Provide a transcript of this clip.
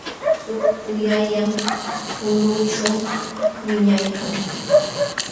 Suk puyallam ulqućhu wiñaykan.